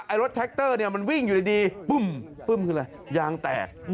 รถแท็กเตอร์เนี่ยมันวิ่งอยู่ดีปึ้มปึ้มคืออะไรยางแตก